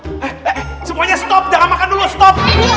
eh eh eh semuanya stop jangan makan dulu stop